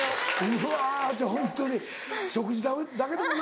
うわホントに食事だけでもな。